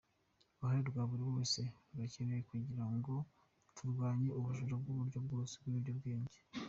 Uruhare rwa buri wese rurakenewe kugira ngo turwanye ubujura bw’uburyo bwose n’ibiyobyabwenge."